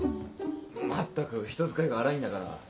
まったく人使いが荒いんだから。